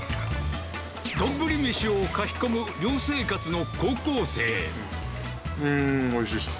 どんぶり飯をかき込む寮生活うーん、おいしいですね。